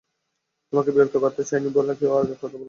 তোমাকে বিরক্ত করতে চায়নি বলে কেউ আর তোমার সাথে দেখা করেনি।